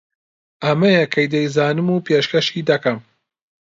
ئەمەیە کە دەیزانم و پێشکەشی دەکەم